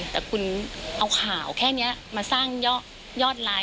แต่คุณเอาข่าวแค่นี้มาสร้างยอดไลค์